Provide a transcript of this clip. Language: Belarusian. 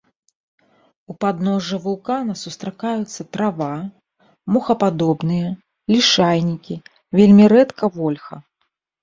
У падножжа вулкана сустракаюцца трава, мохападобныя, лішайнікі, вельмі рэдка вольха.